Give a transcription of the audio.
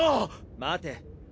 待て。